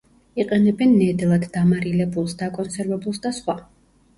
იყენებენ ნედლად, დამარილებულს, დაკონსერვებულს და სხვა.